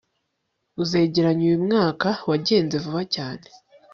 uzegeranya uyumwaka wagenze vuba cyane